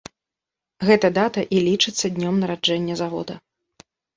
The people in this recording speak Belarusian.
Гэта дата і лічыцца днём нараджэння завода.